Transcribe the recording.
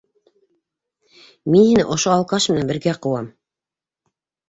Мин һине ошо алкаш менән бергә ҡыуам!